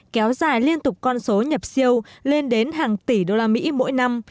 kéo dài liên tục con số nhập siêu lên đến hàng tỷ đô la mỹ mỗi năm